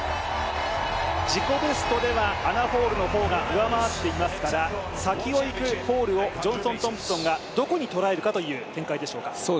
自己ベストではアナ・ホールの方が上回っていますから先を行くホールをジョンソン・トンプソンがどこで捉えるかという展開でしょうか？